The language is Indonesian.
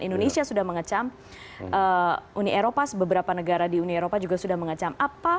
indonesia sudah mengecam uni eropa beberapa negara di uni eropa juga sudah mengecam